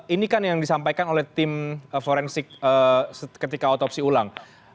ini kan yang disampaikan oleh tim forensik ketika otopsi ulang